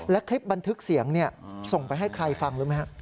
และคลิปบันทึกเสียงส่งไปให้ใครฟังรู้ไหมฮะ